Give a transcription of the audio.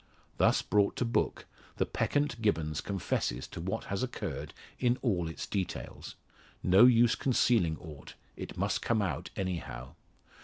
Thus brought to book, the peccant Gibbons confesses to what has occurred in all its details. No use concealing aught it must come out anyhow.